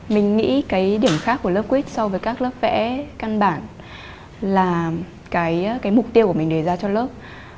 mình nghĩ cái điểm khác của lớp quýt so với các lớp vẽ căn bản là cái mục tiêu của mình đề ra cho lớp